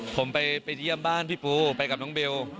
ผมไปเยี่ยมบ้านพี่ปูไปกับน้องเบล